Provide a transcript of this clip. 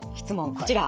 こちら。